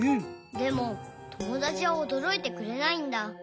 でもともだちはおどろいてくれないんだ。